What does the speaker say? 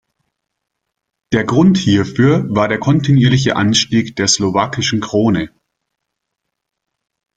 Der Grund hierfür war der kontinuierliche Anstieg der Slowakischen Krone.